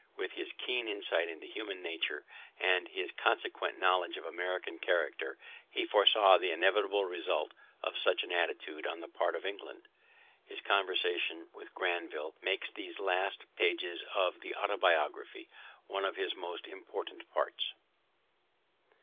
With his keen insight into human nature and his consequent knowledge of American character, he foresaw the inevitable result of such an attitude on the part of England. This conversation with Grenville makes these last pages of the Autobiography one of its most important parts.